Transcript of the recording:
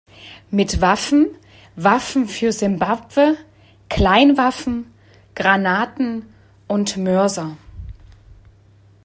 Mit Waffen, Waffen für Simbabwe, Kleinwaffen, Granaten und Mörser.